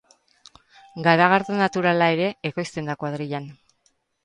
Garagardo naturala ere ekoizten da kuadrillan.